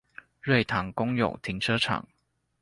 瑞塘公有停車場